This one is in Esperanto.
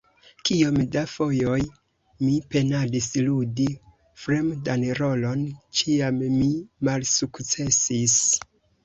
Kiom da fojoj mi penadis ludi fremdan rolon, ĉiam mi malsukcesis.